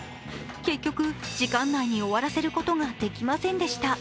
結局、時間内に終わらせることができませんでした。